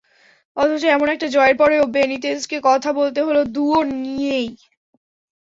অথচ এমন একটা জয়ের পরও বেনিতেজকে কথা বলতে হলো দুয়ো নিয়েই।